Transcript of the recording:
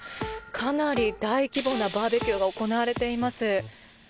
かなり大規模なバーベキューが行われています。